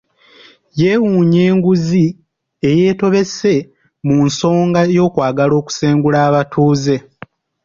Yeewuunya enguzi eyeetobese mu nsonga y'okwagala okusengula abatuuze